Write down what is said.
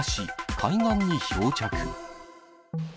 海岸に漂着。